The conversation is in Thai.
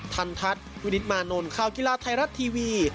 ทันทัศน์วินิตมานนท์ข่าวกีฬาไทยรัฐทีวี